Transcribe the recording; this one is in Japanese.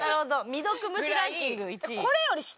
未読無視ランキング１位。